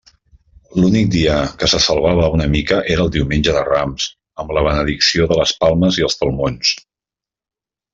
L'únic dia que se salvava una mica era el Diumenge de Rams, amb la benedicció de les palmes i els palmons.